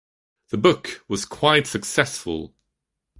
The book was quite successful.